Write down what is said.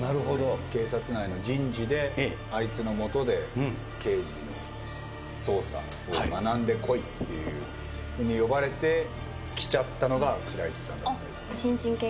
警察内の人事であいつの下で刑事の捜査を学んでこいっていうふうに呼ばれて来ちゃったのが白石さんだったりとか。